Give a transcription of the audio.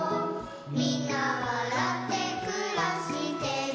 「みんなわらってくらしてる」